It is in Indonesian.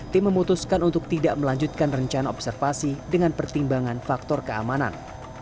tim memutuskan untuk tidak melanjutkan rencana observasi dengan pertimbangan faktor keamanan